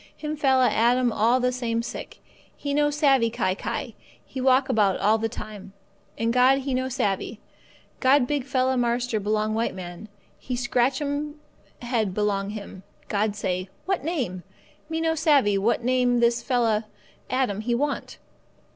Him fella Adam all the same sick; he no savvee kai kai; he walk about all the time. And God He no savvee. God big fella marster belong white man, He scratch 'm head belong Him. God say: 'What name? Me no savvee what name this fella Adam he want.